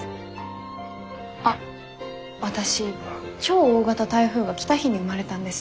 あっ私超大型台風が来た日に生まれたんです。